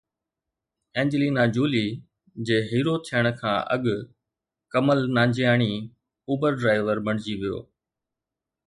Angelina Jolie جي hero ٿيڻ کان اڳ ڪمل نانجياڻي اوبر ڊرائيور بڻجي ويو